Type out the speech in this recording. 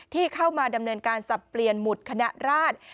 ที่เข้ามาดำเนินการสับเปลี่ยนหมุดคณะราช